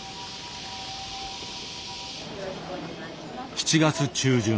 ７月中旬。